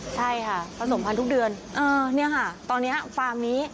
ใช่ค่ะผสมพันธุ์เนี่ยค่ะตอนนี้ฟาร์มนี้